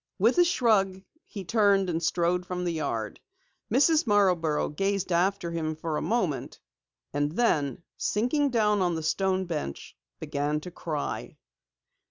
With a shrug, he turned and strode from the yard. Mrs. Marborough gazed after him for a moment, and then sinking down on the stone bench, began to cry.